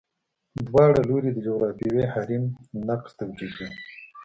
دواړه لوري یې د جغرافیوي حریم نقض توجیه کړي.